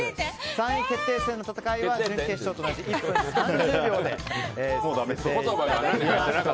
３位決定戦の戦いは準決勝と同じ１分３０秒でさせていただきます。